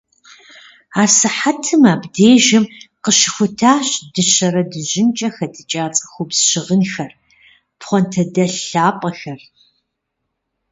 Асыхьэтым абдежым къыщыхутащ дыщэрэ дыжьынкӀэ хэдыкӀа цӀыхубз щыгъынхэр, пхъуантэдэлъ лъапӀэхэр.